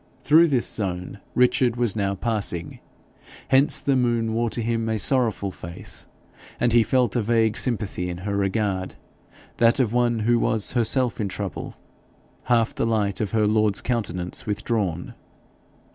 Through this zone Richard was now passing. Hence the moon wore to him a sorrowful face, and he felt a vague sympathy in her regard, that of one who was herself in trouble, half the light of her lord's countenance withdrawn.